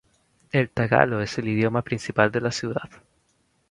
El tagalo es el idioma principal de la ciudad.